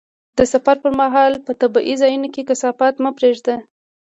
د سفر پر مهال په طبیعي ځایونو کې کثافات مه پرېږده.